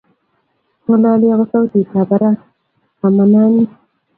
ngololi ago sautitab baraka kamanin